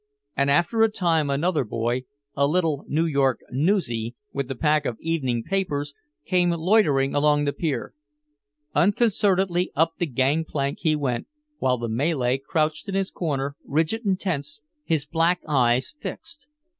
And after a time another boy, a little New York "newsie," with a pack of evening papers, came loitering along the pier. Unconcernedly up the gang plank he went, while the Malay crouched in his corner, rigid and tense, his black eyes fixed.